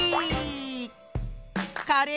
カレー。